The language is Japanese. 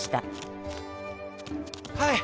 はい。